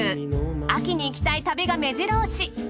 秋に行きたい旅が目白押し！